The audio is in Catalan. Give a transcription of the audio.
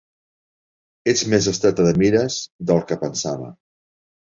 Ets més estreta de mires del que pensava.